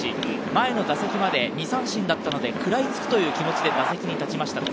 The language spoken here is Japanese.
前の打席まで２三振だったので、食らいつくという気持ちで打席に入りました。